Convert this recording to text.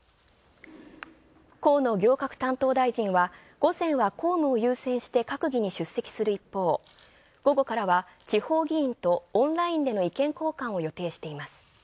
河野行革担当大臣は、午前は公務を優先して閣議に出席する一方、午後からは地方議員とオンラインでの意見交換を予定しています。